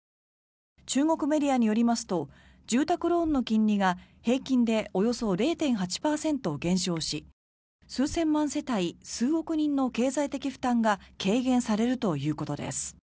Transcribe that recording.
中国メディアによりますと住宅ローンの金利が平均でおよそ０．８％減少し数千万世帯、数億人の経済的負担が軽減されるということです。